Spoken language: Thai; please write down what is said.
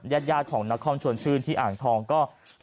แยดของน้าคอล์มชวนชื่นที่อ่านทองก็